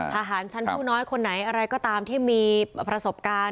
ทหารชั้นผู้น้อยคนไหนอะไรก็ตามที่มีประสบการณ์